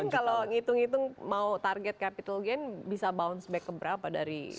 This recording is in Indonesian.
kalau ngitung ngitung mau target capital gain bisa bounce back ke berapa dari bottom